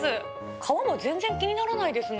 皮も全然気にならないですね。